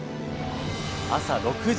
朝６時。